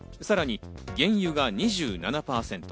さらに原油は２７％。